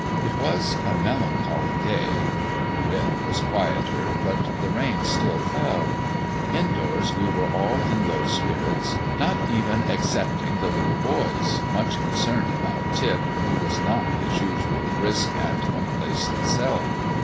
It was a melancholy day. The wind was quieter, but the rain still fell. Indoors we were all in low spirits, not even excepting the little boys, much concerned about Tip, who was not his usual brisk and complacent self.